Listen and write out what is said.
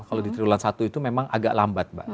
kalau di triwulan satu itu memang agak lambat mbak